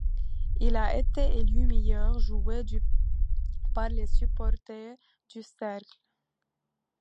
Il a été élu meilleur joueur du par les supporters du Cercle.